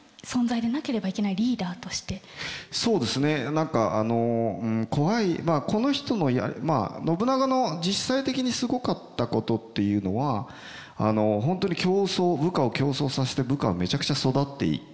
何かあの怖いまあ信長の実際的にすごかったことっていうのは本当に部下を競争させて部下がめちゃくちゃ育っていくんですよね。